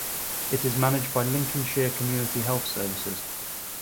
It is managed by Lincolnshire Community Health Services.